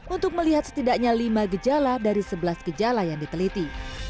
untuk melihat setidaknya lima gejala dari sebelas gejala yang diteliti